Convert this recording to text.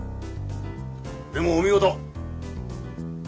でもお見事。